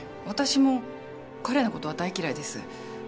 私も彼の事は大嫌いです。